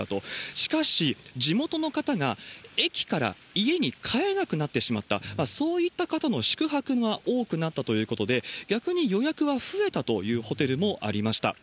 しかし、地元の方が駅から家に帰れなくなってしまった、そういった方の宿泊が多くなったということで、逆に予約は増えたというホテルもありました。